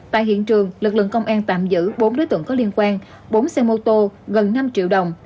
tại hiện trường lực lượng công an tạm giữ bốn đối tượng có liên quan bốn xe mô tô gần năm triệu đồng